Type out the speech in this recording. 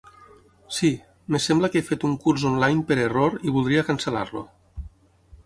Sí, em sembla que he fet un curs online per error i voldria cancel·lar-lo.